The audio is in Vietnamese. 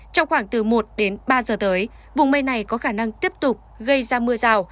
trong khoảng từ một đến ba giờ tới vùng mây này có khả năng tiếp tục gây ra mưa rào